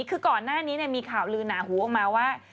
ก่อนหน้านี้มีข่าวฤนาหูออกมาว่า